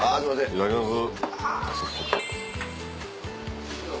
いただきます。